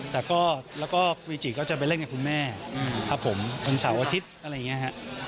แต่แล้วก็ฟิจิก็จะไปเล่นกับคุณแม่ครับผมวันเสาร์อาทิตย์อะไรอย่างนี้ฮะ